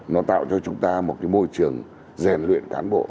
nó tạo cho chúng ta một cái môi trường rèn luyện cán bộ